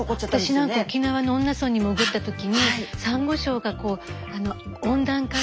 私何か沖縄の恩納村に潜った時にサンゴ礁がこう温暖化で。